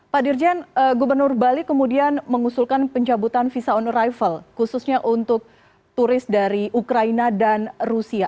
pak dirjen gubernur bali kemudian mengusulkan pencabutan visa on arrival khususnya untuk turis dari ukraina dan rusia